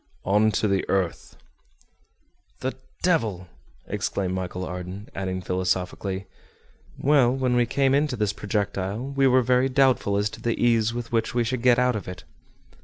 "On to the earth!" "The devil!" exclaimed Michel Ardan, adding philosophically, "well, when we came into this projectile we were very doubtful as to the ease with which we should get out of it!"